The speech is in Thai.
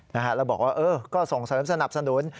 แล้วบอกว่าก็ส่งเสริมสนับสนุน